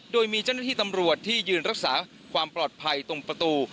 โดยมีเจ้าหน้าที่ตำรวจที่ยืนรักษาความปลอดภัยตรงประตู